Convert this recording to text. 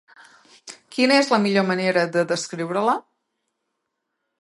Quina és la millor manera de descriure-la?